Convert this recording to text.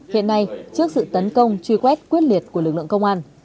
hiện nay trước sự tấn công truy quét quyết liệt của lực lượng công an